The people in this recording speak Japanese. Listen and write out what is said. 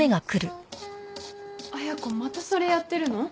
綾子またそれやってるの？